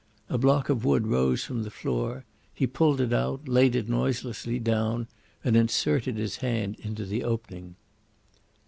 A block of wood rose from the floor, he pulled it out, laid it noiselessly down, and inserted his hand into the opening.